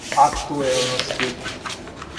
Актуелности